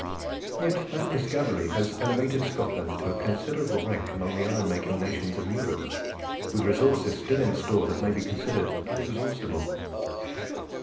Yet that discovery has elevated Scotland to a considerable rank among the iron making nations of Europe, with resources still in store that may be considered inexhaustible.